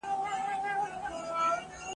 پولادي قوي منګول تېره مشوکه ..